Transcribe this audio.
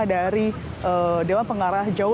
dari dewan pengarah jawa